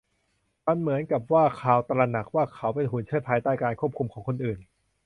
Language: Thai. มันเหมือนกับว่าคาร์ลตระหนักว่าเขาเป็นหุ่นเชิดภายใต้การควบคุมของคนอื่น